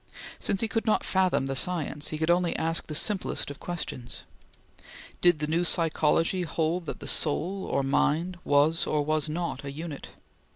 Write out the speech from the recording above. Since he could not fathom the science, he could only ask the simplest of questions: Did the new psychology hold that the IvXn soul or mind was or was not a unit?